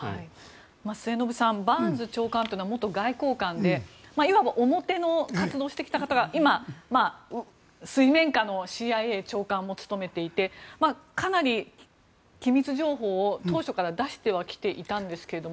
末延さんバーンズ長官というのは元外交官でいわば表の活動をしてきた方が今、水面下のＣＩＡ長官も務めていてかなり機密情報を当初から出してはきていたんですが。